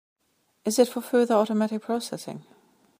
Is it for further automatic processing?